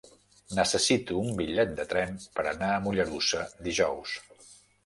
Necessito un bitllet de tren per anar a Mollerussa dijous.